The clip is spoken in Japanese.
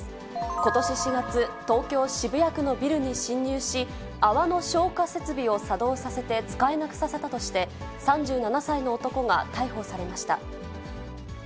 ことし４月、東京・渋谷区のビルに侵入し、泡の消火設備を作動させて使えなくさせたとして、３７歳の男が逮捕されました。